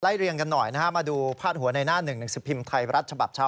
เรียงกันหน่อยนะฮะมาดูพาดหัวในหน้าหนึ่งหนังสือพิมพ์ไทยรัฐฉบับเช้า